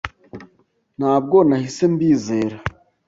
Ntabwo nahise mbizera.